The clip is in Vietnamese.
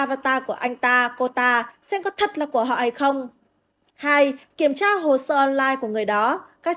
vatar của anh ta cô ta xem có thật là của họ hay không hay kiểm tra hồ sơ online của người đó các